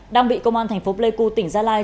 đang bị công an thành phố pleiku tỉnh gia lai